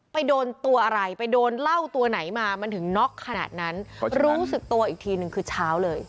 โดนตัวอะไรไปโดนเหล้าตัวไหนมามันถึงน็อกขนาดนั้นรู้สึกตัวอีกทีนึงคือเช้าเลย